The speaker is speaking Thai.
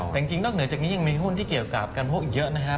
แต่จริงนอกเหนือจากนี้ยังมีหุ้นที่เกี่ยวกับการพวกอีกเยอะนะครับ